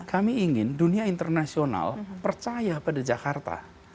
kami ingin dunia internasional percaya pada jakarta